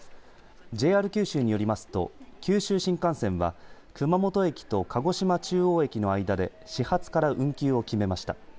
ＪＲ九州によりますと九州新幹線は熊本駅と鹿児島中央駅の間で始発から運休を決めました。